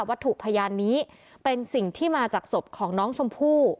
ถูกพยานนี้เป็นสิ่งที่มาจากศพของน้องชมพู่